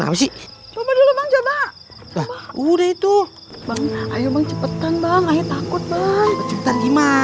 sampai jumpa di video selanjutnya